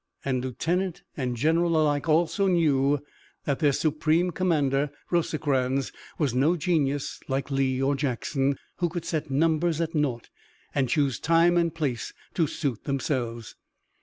And lieutenant and general alike also knew that their supreme commander, Rosecrans, was no genius like Lee or Jackson, who could set numbers at naught, and choose time and place to suit themselves.